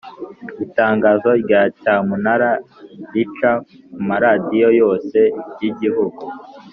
Itangazo rya cyamunara rica kumaradiyo yose y’igihugu